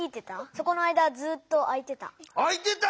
そこの間はずっとあいてた。